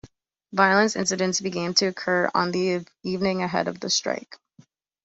Violent incidents began to occur on the evening ahead of the strike.